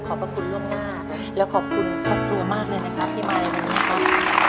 พระคุณล่วงหน้าและขอบคุณครอบครัวมากเลยนะครับที่มาในวันนี้ครับ